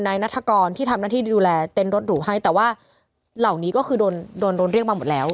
นัฐกรที่ทำหน้าที่ดูแลเต้นรถหรูให้แต่ว่าเหล่านี้ก็คือโดนโดนเรียกมาหมดแล้ว